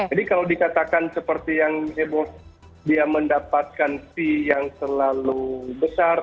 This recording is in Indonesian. jadi kalau dikatakan seperti yang ebo dia mendapatkan fee yang terlalu besar